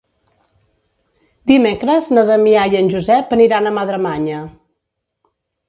Dimecres na Damià i en Josep aniran a Madremanya.